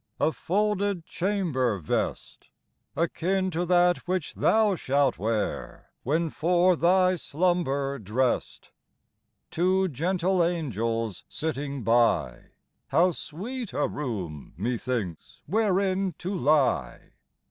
A folded chamber vest, Akin to that which thou shalt wear When for thy slumber drest ; Two gentle angels sitting by, — How sweet a room, methinks, wherein to lie